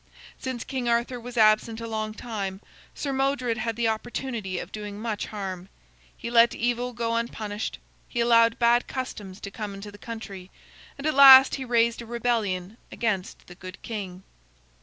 Since King Arthur was absent a long time, Sir Modred had the opportunity of doing much harm. He let evil go unpunished; he allowed bad customs to come into the country; and at last he raised a rebellion against the good king.